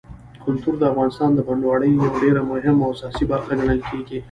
کلتور د افغانستان د بڼوالۍ یوه ډېره مهمه او اساسي برخه ګڼل کېږي.